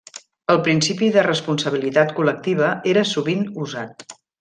El principi de responsabilitat col·lectiva era sovint usat.